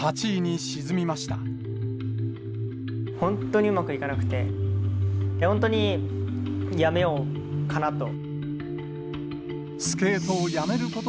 本当にうまくいかなくて、本当にやめようかなと。